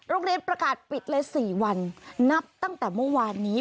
โรงเรียนประกาศปิดเลย๔วันนับตั้งแต่เมื่อวานนี้